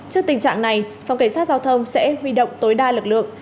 trước tình trạng này phòng cảnh sát giao thông sẽ huy động tối đa lực lượng